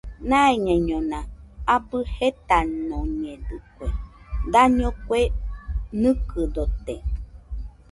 Naiñaiñona abɨ jetanoñedɨkue, daño kue nɨkɨdote